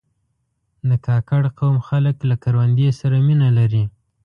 د کاکړ قوم خلک له کروندې سره مینه لري.